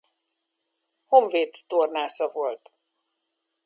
Honvéd tornásza volt.